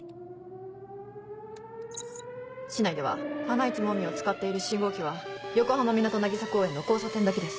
市内では『はないちもんめ』を使っている信号機は横浜みなと渚公園の交差点だけです。